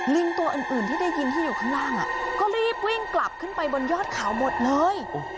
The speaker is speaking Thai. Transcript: ลิงตัวอื่นที่ได้ยินที่อยู่ข้างล่างก็รีบวิ่งกลับขึ้นไปบนยอดเขาหมดเลย